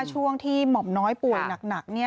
ช่วงที่หม่อมน้อยป่วยหนัก